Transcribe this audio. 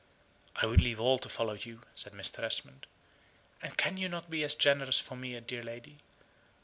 "I would leave all to follow you," said Mr. Esmond; "and can you not be as generous for me, dear lady?"